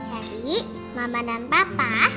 jadi mama dan papa